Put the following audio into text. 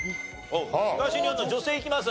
東日本の女性いきます？